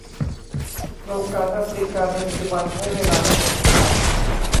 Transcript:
โครงการแอฟริกาในปัจจุบันใช้เวลาทั้งหมดของฉัน